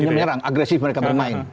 menyerang agresif mereka bermain